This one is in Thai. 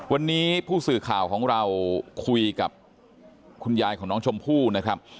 วันนี้ผู้สื่อข่าวของเราคุยกับคุณยายของน้องชมพู่นะครับ